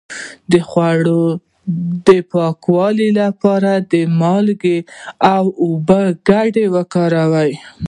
د خوړو د پاکوالي لپاره د مالګې او اوبو ګډول وکاروئ